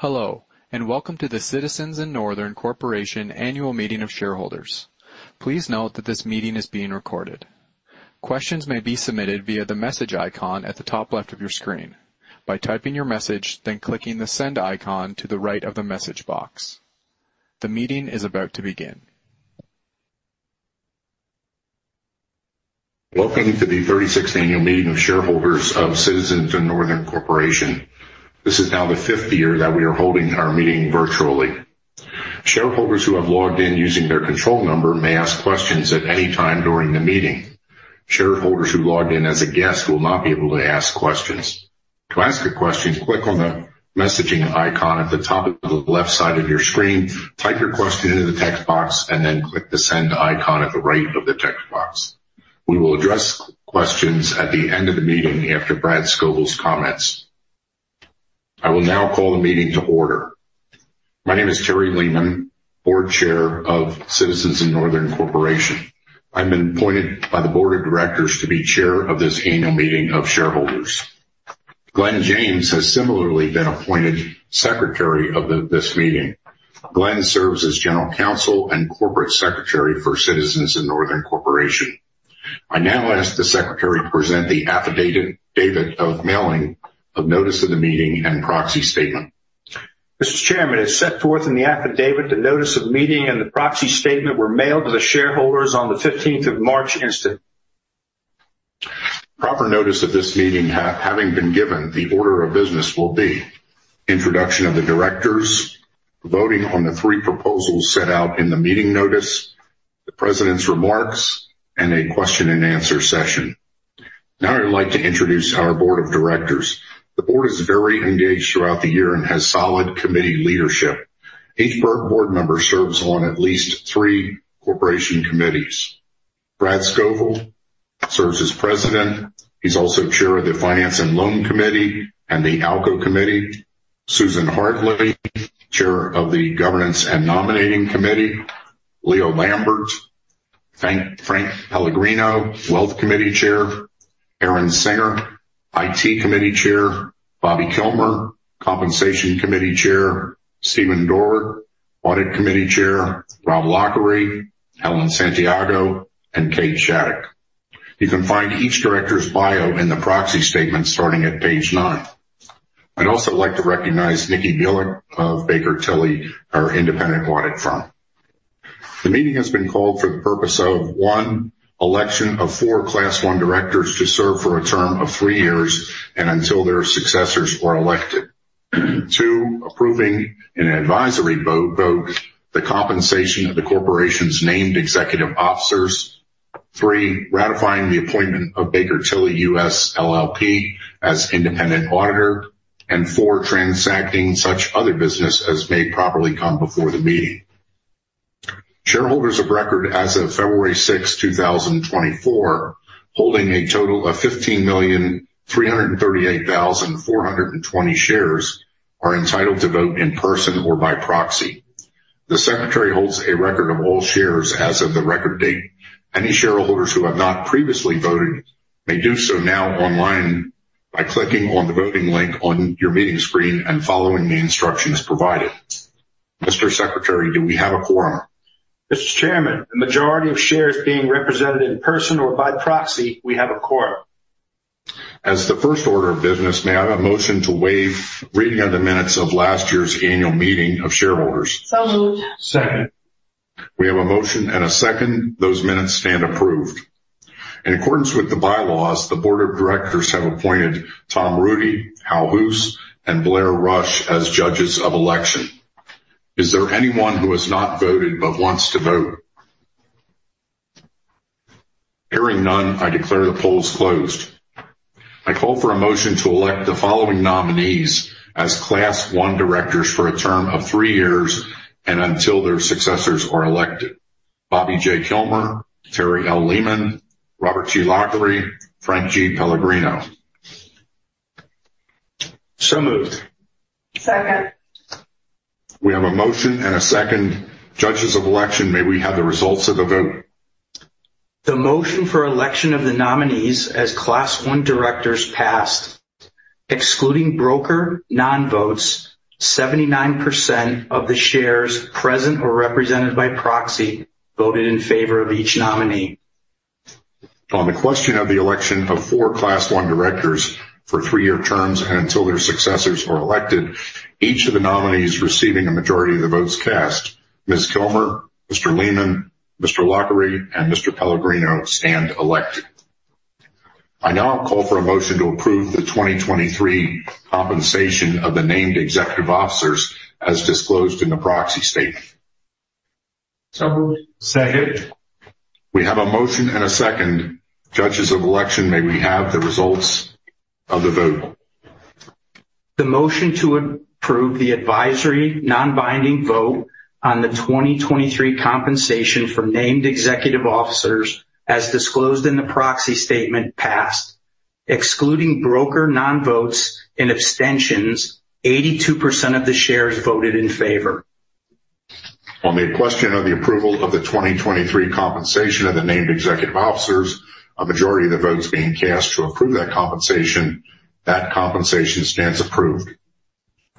Hello and welcome to the Citizens & Northern Corporation annual meeting of shareholders. Please note that this meeting is being recorded. Questions may be submitted via the message icon at the top left of your screen, by typing your message then clicking the send icon to the right of the message box. The meeting is about to begin. Welcome to the 36th annual meeting of shareholders of Citizens & Northern Corporation. This is now the fifth year that we are holding our meeting virtually. Shareholders who have logged in using their control number may ask questions at any time during the meeting. Shareholders who logged in as a guest will not be able to ask questions. To ask a question, click on the messaging icon at the top of the left side of your screen, type your question into the text box, and then click the send icon at the right of the text box. We will address questions at the end of the meeting after Brad Scovill's comments. I will now call the meeting to order. My name is Terry Lehman, Board Chair of Citizens & Northern Corporation. I'm appointed by the board of directors to be chair of this annual meeting of shareholders. Glenn James has similarly been appointed secretary of this meeting. Glenn serves as general counsel and corporate secretary for Citizens & Northern Corporation. I now ask the secretary to present the affidavit of mailing of notice of the meeting and proxy statement. Mr. Chairman, as set forth in the affidavit, the notice of meeting and the proxy statement were mailed to the shareholders on the 15th of March instant. Proper notice of this meeting having been given, the order of business will be: introduction of the directors, voting on the three proposals set out in the meeting notice, the president's remarks, and a question-and-answer session. Now I'd like to introduce our board of directors. The board is very engaged throughout the year and has solid committee leadership. Each board member serves on at least three corporation committees. Brad Scovill serves as president. He's also chair of the Finance and Loan Committee and the ALCO Committee. Susan Hartley, chair of the Governance and Nominating Committee. Leo Lambert. Frank Pellegrino, Wealth Committee chair. Aaron Singer. IT Committee chair. Bobbi Kilmer. Compensation Committee chair. Stephen Dorwart. Audit Committee chair. Rob Loughery. Heather Santiago. And Kate Shattuck. You can find each director's bio in the proxy statement starting at page 9. I'd also like to recognize Nikki Bielek of Baker Tilly, our independent audit firm. The meeting has been called for the purpose of: 1, election of 4 class one directors to serve for a term of 3 years and until their successors are elected. 2, approving in an advisory vote the compensation of the corporation's named executive officers. 3, ratifying the appointment of Baker Tilly US, LLP as independent auditor. And 4, transacting such other business as may properly come before the meeting. Shareholders of record as of February 6, 2024, holding a total of 15,338,420 shares, are entitled to vote in person or by proxy. The secretary holds a record of all shares as of the record date. Any shareholders who have not previously voted may do so now online by clicking on the voting link on your meeting screen and following the instructions provided. Mr. Secretary, do we have a quorum? Mr. Chairman, the majority of shares being represented in person or by proxy, we have a quorum. As the first order of business, may I have a motion to waive reading of the minutes of last year's annual meeting of shareholders? So moved. Second. We have a motion and a second. Those minutes stand approved. In accordance with the bylaws, the board of directors have appointed Tom Rudy, Hal Hoose, and Blair Rush as judges of election. Is there anyone who has not voted but wants to vote? Hearing none, I declare the polls closed. I call for a motion to elect the following nominees as class one directors for a term of three years and until their successors are elected: Bobbi J. Kilmer, Terry L. Lehman, Robert G. Loughery, Frank G. Pellegrino. So moved. Second. We have a motion and a second. Judges of election, may we have the results of the vote? The motion for election of the nominees as class one directors passed. Excluding broker non-votes, 79% of the shares present or represented by proxy voted in favor of each nominee. On the question of the election of four class one directors for three-year terms and until their successors are elected, each of the nominees receiving a majority of the votes cast, Ms. Kilmer, Mr. Lehman, Mr. Loughery, and Mr. Pellegrino, stand elected. I now call for a motion to approve the 2023 compensation of the named executive officers as disclosed in the proxy statement. So moved. Second. We have a motion and a second. Judges of Election, may we have the results of the vote? The motion to approve the advisory non-binding vote on the 2023 compensation for named executive officers as disclosed in the proxy statement passed. Excluding broker non-votes and abstentions, 82% of the shares voted in favor. On the question of the approval of the 2023 compensation of the named executive officers, a majority of the votes being cast to approve that compensation, that compensation stands approved.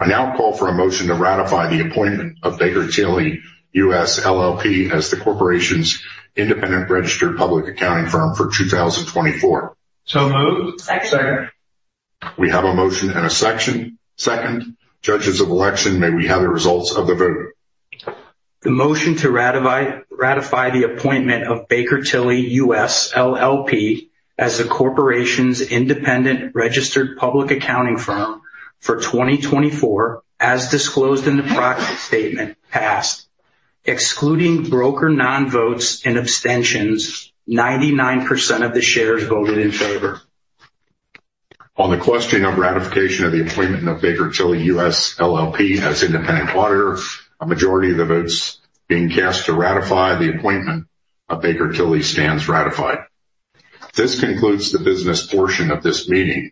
I now call for a motion to ratify the appointment of Baker Tilly US, LLP as the corporation's independent registered public accounting firm for 2024. So moved. Second. Second. We have a motion and a second. Judges of election, may we have the results of the vote? The motion to ratify the appointment of Baker Tilly US, LLP as the corporation's independent registered public accounting firm for 2024 as disclosed in the proxy statement passed. Excluding broker non-votes and abstentions, 99% of the shares voted in favor. On the question of ratification of the appointment of Baker Tilly US, LLP as independent auditor, a majority of the votes being cast to ratify the appointment of Baker Tilly stands ratified. This concludes the business portion of this meeting.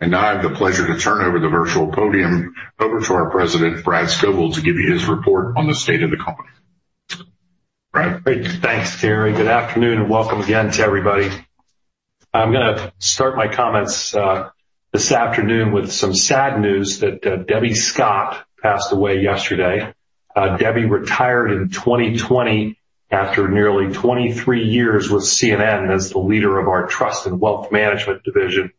Now I have the pleasure to turn over the virtual podium to our President, Brad Scovill, to give you his report on the state of the company. Thanks, Terry. Good afternoon and welcome again to everybody. I'm going to start my comments this afternoon with some sad news that Debbie Scott passed away yesterday. Debbie retired in 2020 after nearly 23 years with C&N as the leader of our trust and wealth management division.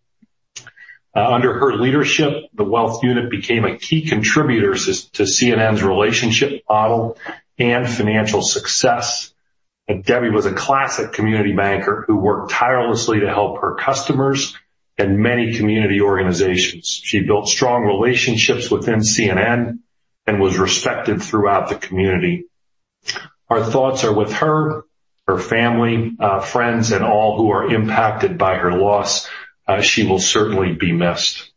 Under her leadership, the wealth unit became a key contributor to C&N's relationship model and financial success. Debbie was a classic community banker who worked tirelessly to help her customers and many community organizations. She built strong relationships within C&N and was respected throughout the community. Our thoughts are with her, her family, friends, and all who are impacted by her loss. She will certainly be missed.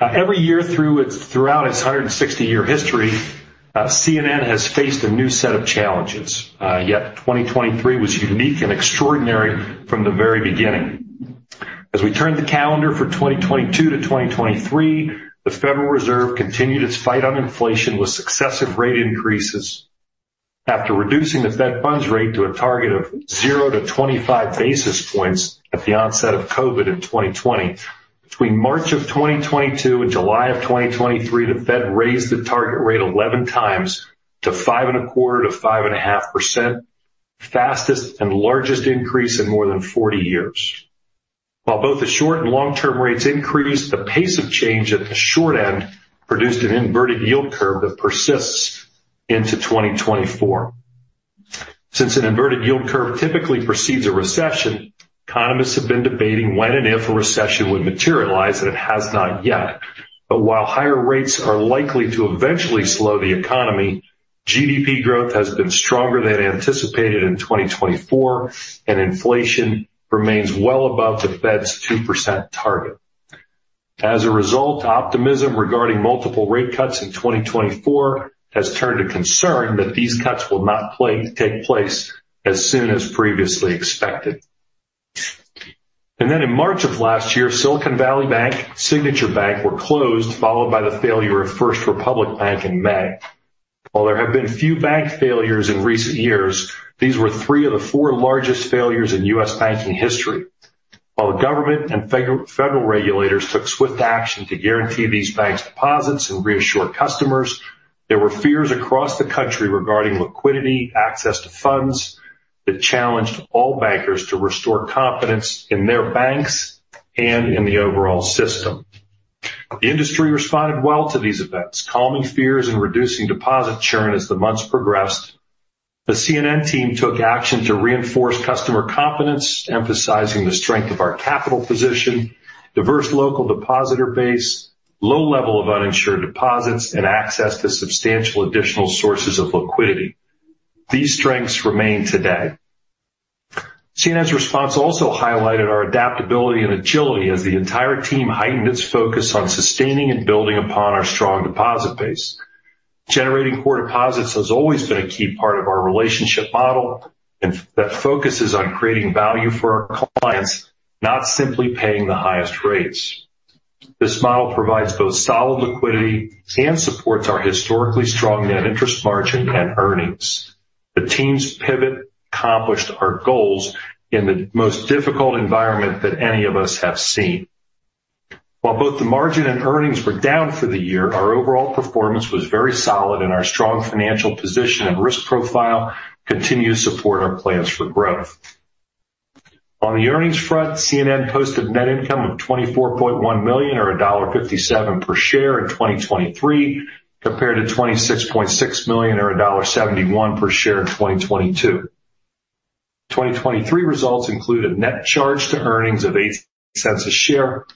Every year throughout its 160-year history, C&N has faced a new set of challenges. Yet 2023 was unique and extraordinary from the very beginning. As we turned the calendar for 2022 to 2023, the Federal Reserve continued its fight on inflation with successive rate increases. After reducing the Fed funds rate to a target of 0-25 basis points at the onset of COVID in 2020, between March of 2022 and July of 2023, the Fed raised the target rate 11 times to 5.25%-5.5%, fastest and largest increase in more than 40 years. While both the short and long-term rates increased, the pace of change at the short end produced an inverted yield curve that persists into 2024. Since an inverted yield curve typically precedes a recession, economists have been debating when and if a recession would materialize, and it has not yet. But while higher rates are likely to eventually slow the economy, GDP growth has been stronger than anticipated in 2024, and inflation remains well above the Fed's 2% target. As a result, optimism regarding multiple rate cuts in 2024 has turned to concern that these cuts will not take place as soon as previously expected. And then in March of last year, Silicon Valley Bank, Signature Bank were closed, followed by the failure of First Republic Bank in May. While there have been few bank failures in recent years, these were three of the four largest failures in U.S. banking history. While the government and federal regulators took swift action to guarantee these banks' deposits and reassure customers, there were fears across the country regarding liquidity, access to funds that challenged all bankers to restore confidence in their banks and in the overall system. The industry responded well to these events, calming fears and reducing deposit churn as the months progressed. The C&N team took action to reinforce customer confidence, emphasizing the strength of our capital position, diverse local depositor base, low level of uninsured deposits, and access to substantial additional sources of liquidity. These strengths remain today. C&N's response also highlighted our adaptability and agility as the entire team heightened its focus on sustaining and building upon our strong deposit base. Generating core deposits has always been a key part of our relationship model that focuses on creating value for our clients, not simply paying the highest rates. This model provides both solid liquidity and supports our historically strong net interest margin and earnings. The team's pivot accomplished our goals in the most difficult environment that any of us have seen. While both the margin and earnings were down for the year, our overall performance was very solid, and our strong financial position and risk profile continue to support our plans for growth. On the earnings front, C&N posted net income of $24.1 million or $1.57 per share in 2023, compared to $26.6 million or $1.71 per share in 2022. 2023 results include a net charge to earnings of $0.08 per share,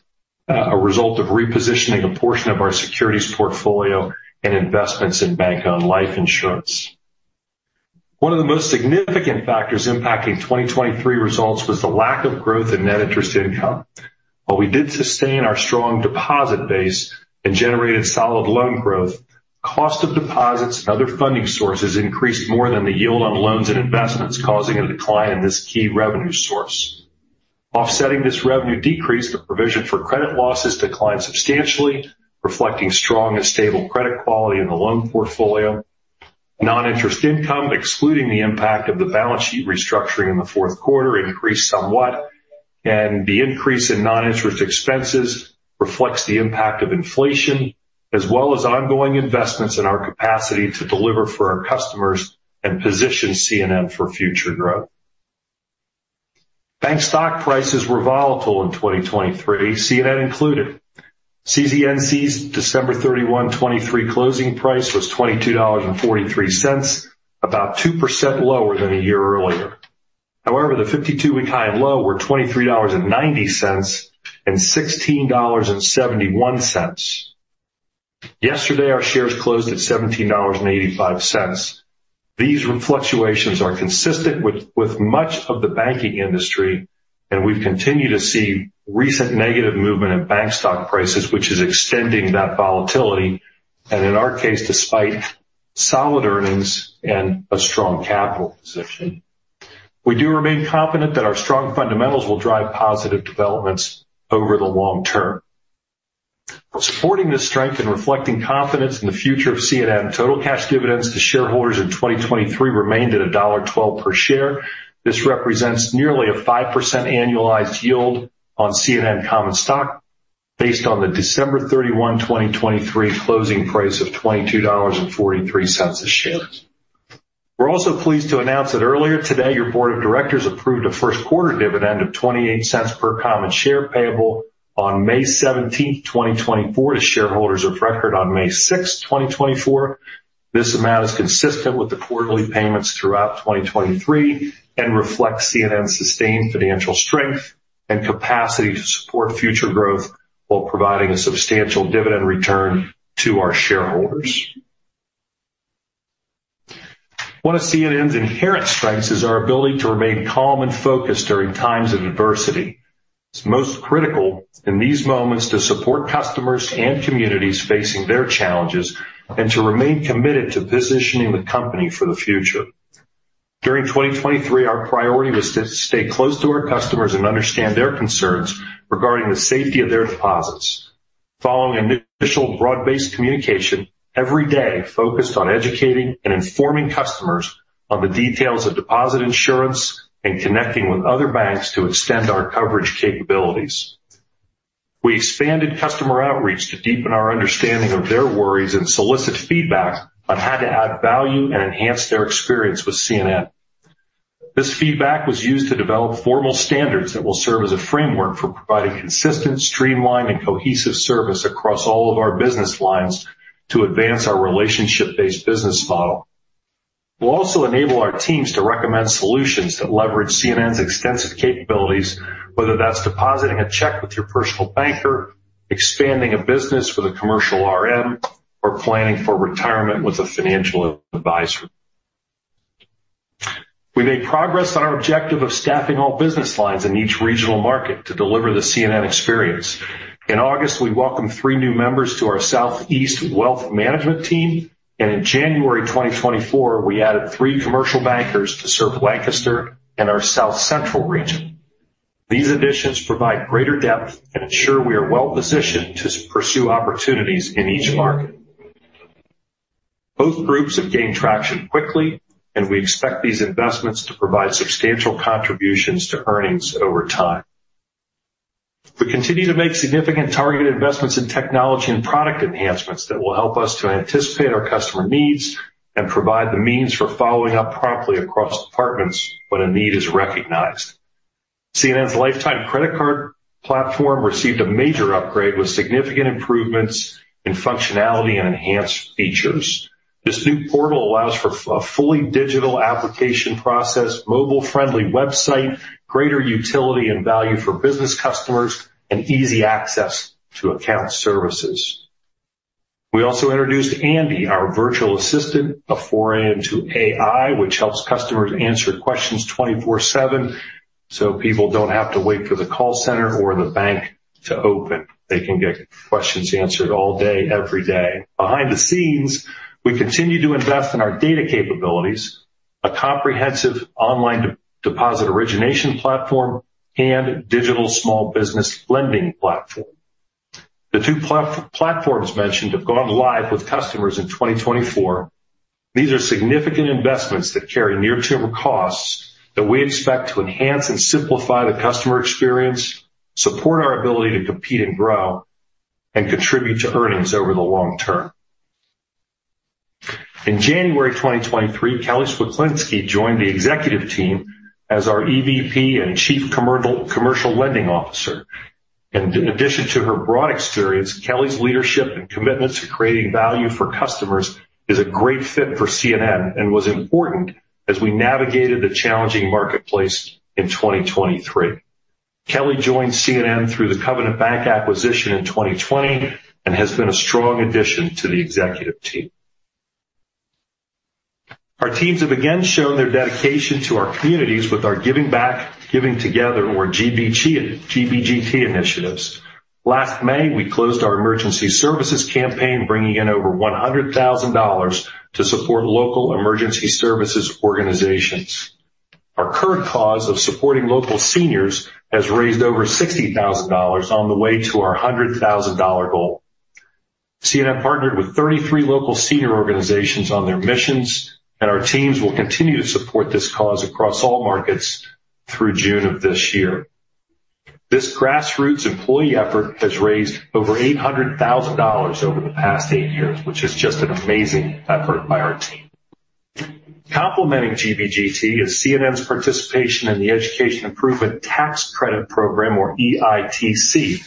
a result of repositioning a portion of our securities portfolio and investments in bank-owned life insurance. One of the most significant factors impacting 2023 results was the lack of growth in net interest income. While we did sustain our strong deposit base and generated solid loan growth, cost of deposits and other funding sources increased more than the yield on loans and investments, causing a decline in this key revenue source. Offsetting this revenue decrease, the provision for credit losses declined substantially, reflecting strong and stable credit quality in the loan portfolio. Non-interest income, excluding the impact of the balance sheet restructuring in the fourth quarter, increased somewhat. The increase in non-interest expenses reflects the impact of inflation, as well as ongoing investments in our capacity to deliver for our customers and position C&N for future growth. Bank stock prices were volatile in 2023, C&N included. CZNC's December 31, 2023 closing price was $22.43, about 2% lower than a year earlier. However, the 52-week high and low were $23.90 and $16.71. Yesterday, our shares closed at $17.85. These fluctuations are consistent with much of the banking industry, and we've continued to see recent negative movement in bank stock prices, which is extending that volatility. In our case, despite solid earnings and a strong capital position, we do remain confident that our strong fundamentals will drive positive developments over the long term. Supporting this strength and reflecting confidence in the future of C&N, total cash dividends to shareholders in 2023 remained at $1.12 per share. This represents nearly a 5% annualized yield on C&N common stock based on the December 31, 2023, closing price of $22.43 a share. We're also pleased to announce that earlier today, your board of directors approved a first quarter dividend of $0.28 per common share payable on May 17, 2024, to shareholders of record on May 6, 2024. This amount is consistent with the quarterly payments throughout 2023 and reflects C&N's sustained financial strength and capacity to support future growth while providing a substantial dividend return to our shareholders. One of C&N's inherent strengths is our ability to remain calm and focused during times of adversity. It's most critical in these moments to support customers and communities facing their challenges and to remain committed to positioning the company for the future. During 2023, our priority was to stay close to our customers and understand their concerns regarding the safety of their deposits. Following initial broad-based communication every day focused on educating and informing customers on the details of deposit insurance and connecting with other banks to extend our coverage capabilities, we expanded customer outreach to deepen our understanding of their worries and solicit feedback on how to add value and enhance their experience with C&N. This feedback was used to develop formal standards that will serve as a framework for providing consistent, streamlined, and cohesive service across all of our business lines to advance our relationship-based business model. We'll also enable our teams to recommend solutions that leverage C&N's extensive capabilities, whether that's depositing a check with your personal banker, expanding a business with a commercial RM, or planning for retirement with a financial advisor. We made progress on our objective of staffing all business lines in each regional market to deliver the C&N experience. In August, we welcomed three new members to our Southeast Wealth Management Team. In January 2024, we added three commercial bankers to serve Lancaster and our South Central Region. These additions provide greater depth and ensure we are well positioned to pursue opportunities in each market. Both groups have gained traction quickly, and we expect these investments to provide substantial contributions to earnings over time. We continue to make significant targeted investments in technology and product enhancements that will help us to anticipate our customer needs and provide the means for following up promptly across departments when a need is recognized. C&N's lifetime credit card platform received a major upgrade with significant improvements in functionality and enhanced features. This new portal allows for a fully digital application process, mobile-friendly website, greater utility and value for business customers, and easy access to account services. We also introduced Andy, our virtual assistant, a foray into AI, which helps customers answer questions 24/7 so people don't have to wait for the call center or the bank to open. They can get questions answered all day, every day. Behind the scenes, we continue to invest in our data capabilities, a comprehensive online deposit origination platform, and digital small business lending platform. The two platforms mentioned have gone live with customers in 2024. These are significant investments that carry near-term costs that we expect to enhance and simplify the customer experience, support our ability to compete and grow, and contribute to earnings over the long term. In January 2023, Kelley Cwiklinski joined the executive team as our EVP and Chief Commercial Lending Officer. In addition to her broad experience, Kelley's leadership and commitment to creating value for customers is a great fit for C&N and was important as we navigated the challenging marketplace in 2023. Kelley joined C&N through the Covenant Bank acquisition in 2020 and has been a strong addition to the executive team. Our teams have again shown their dedication to our communities with our Giving Back, Giving Together, or GBGT initiatives. Last May, we closed our emergency services campaign, bringing in over $100,000 to support local emergency services organizations. Our current cause of supporting local seniors has raised over $60,000 on the way to our $100,000 goal. C&N partnered with 33 local senior organizations on their missions, and our teams will continue to support this cause across all markets through June of this year. This grassroots employee effort has raised over $800,000 over the past eight years, which is just an amazing effort by our team. Complementing GBGT is C&N's participation in the Education Improvement Tax Credit Program, or EITC.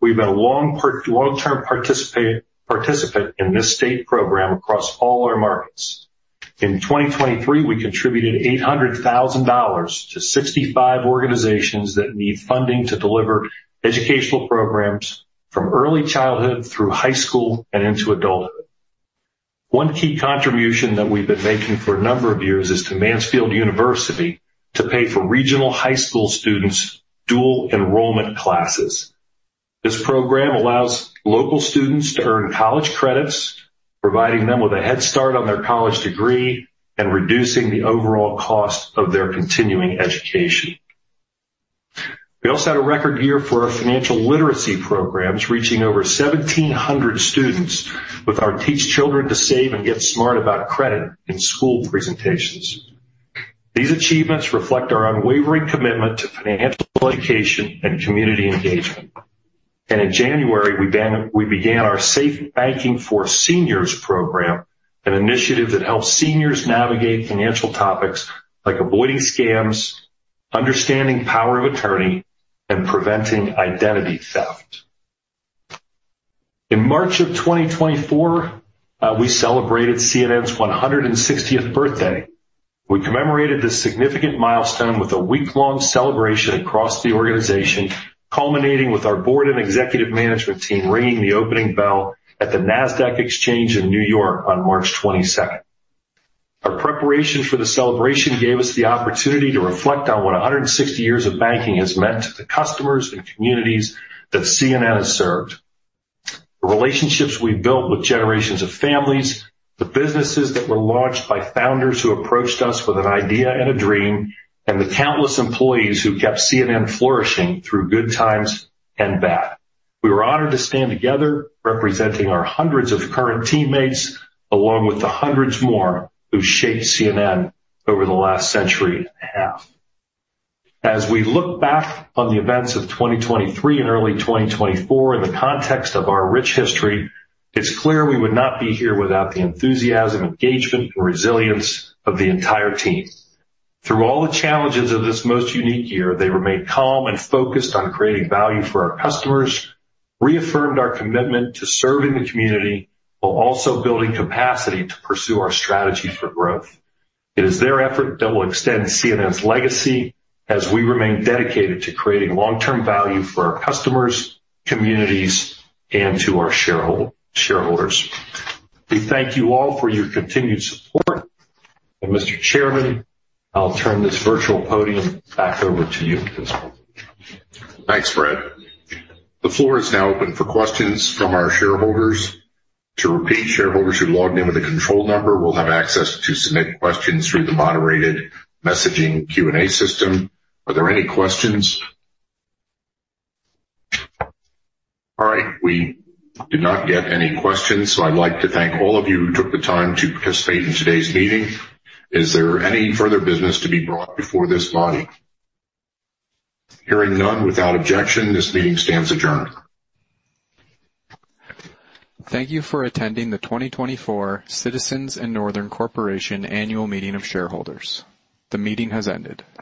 We've been a long-term participant in this state program across all our markets. In 2023, we contributed $800,000 to 65 organizations that need funding to deliver educational programs from early childhood through high school and into adulthood. One key contribution that we've been making for a number of years is to Mansfield University to pay for regional high school students' dual enrollment classes. This program allows local students to earn college credits, providing them with a head start on their college degree and reducing the overall cost of their continuing education. We also had a record year for our financial literacy programs, reaching over 1,700 students with our Teach Children to Save and Get Smart About Credit in school presentations. These achievements reflect our unwavering commitment to financial education and community engagement. In January, we began our Safe Banking for Seniors program, an initiative that helps seniors navigate financial topics like avoiding scams, understanding the power of attorney, and preventing identity theft. In March of 2024, we celebrated C&N's 160th birthday. We commemorated this significant milestone with a week-long celebration across the organization, culminating with our board and executive management team ringing the opening bell at the NASDAQ Exchange in New York on March 22nd. Our preparation for the celebration gave us the opportunity to reflect on what 160 years of banking has meant to the customers and communities that C&N has served, the relationships we've built with generations of families, the businesses that were launched by founders who approached us with an idea and a dream, and the countless employees who kept C&N flourishing through good times and bad. We were honored to stand together representing our hundreds of current teammates along with the hundreds more who shaped C&N over the last century and a half. As we look back on the events of 2023 and early 2024 in the context of our rich history, it's clear we would not be here without the enthusiasm, engagement, and resilience of the entire team. Through all the challenges of this most unique year, they remained calm and focused on creating value for our customers, reaffirmed our commitment to serving the community while also building capacity to pursue our strategy for growth. It is their effort that will extend C&N's legacy as we remain dedicated to creating long-term value for our customers, communities, and to our shareholders. We thank you all for your continued support. Mr. Chairman, I'll turn this virtual podium back over to you at this moment. Thanks, Brad. The floor is now open for questions from our shareholders. To repeat, shareholders who logged in with a control number will have access to submit questions through the moderated messaging Q&A system. Are there any questions? All right. We did not get any questions, so I'd like to thank all of you who took the time to participate in today's meeting. Is there any further business to be brought before this body? Hearing none without objection, this meeting stands adjourned. Thank you for attending the 2024 Citizens & Northern Corporation Annual Meeting of Shareholders. The meeting has ended.